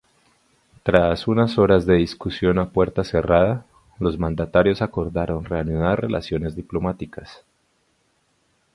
Tras unas horas de discusión a puerta cerrada, los mandatarios acordaron reanudar relaciones diplomáticas.